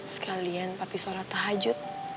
sekalian papi sholat tahajud